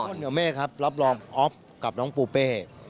โป้นเหนือเมฆครับรอบอ๊อฟกับน้องปูเป้